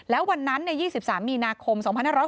แล้ววันนั้น๒๓มีนาคม๒๕๖๐